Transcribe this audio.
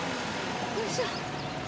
よいしょ。